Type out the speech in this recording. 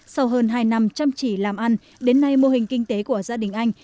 sau hơn hai năm chăm chỉ làm ăn đến nay mô hình kinh tế của gia đình anh